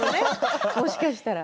もしかしたら。